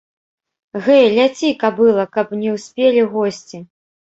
Гэй, ляці, кабыла, каб не ўспелі госці.